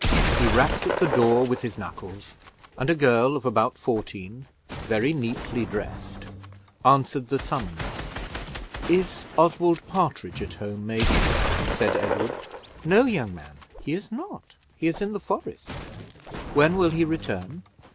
He rapped at the door with his knuckles, and a girl of about fourteen, very neatly dressed, answered the summons. "Is Oswald Partridge at home, maiden," said Edward. "No, young man, he is not. He is in the forest." "When will he return?"